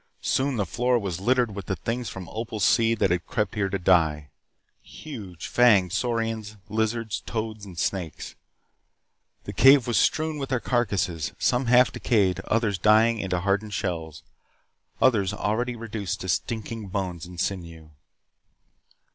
Soon the floor was littered with the things from Opal's sea that had crept here to die. Huge, fanged saurians, lizards, toads, snakes. The cave was strewn with their carcasses, some half decayed, others drying into hardened shells, others already reduced to stinking bones and sinew.